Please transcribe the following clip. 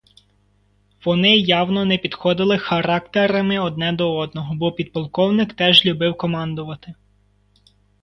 Вони явно не підходили характерами одне до одного, бо підполковник теж любив командувати.